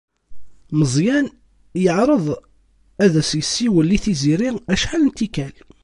Meẓẓyan yeɛreḍ ad as-yessiwel i Tiziri acḥal n tikkal.